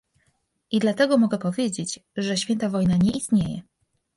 I dlatego mogę powiedzieć, że święta wojna nie istnieje